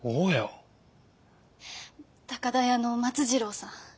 高田屋の松次郎さん。